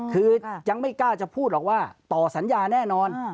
คือยังไม่กล้าจะพูดหรอกว่าต่อสัญญาแน่นอน